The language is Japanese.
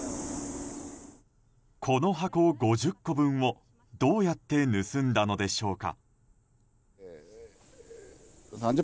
この箱５０個分をどうやって盗んだのでしょうか。